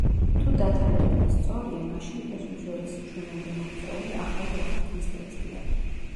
თუ დათარიღება სწორია, მაშინ ეს უძველესი ჩვენამდე მოღწეული ახალი აღთქმის ტექსტია.